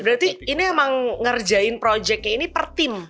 berarti ini emang ngerjain proyeknya ini per tim